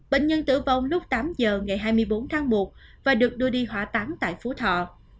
bệnh nhân tử vong lúc tám giờ ngày hai mươi bốn tháng một và được đưa đi hỏa táng tại phú thọ